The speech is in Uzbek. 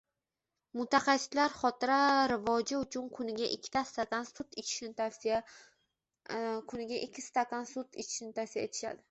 . Mutaxassislar xotira rkivoji uchun kuniga ikki stakan sut ichishni tavsiya etishadi.